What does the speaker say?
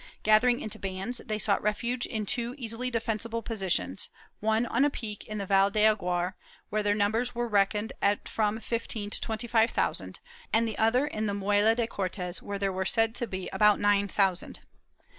Gathering into bands they sought refuge in two easily defensible positions, one on a peak in the Val del Aguar, where their numbers were reck oned at from fifteen to twenty five thousand, and the other in the Muela de Cortes, where there were said to be nine thousand.